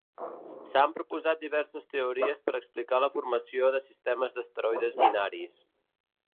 S'han proposat diverses teories per explicar la formació de sistemes d'asteroides binaris.